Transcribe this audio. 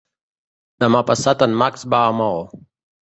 Demà passat en Max va a Maó.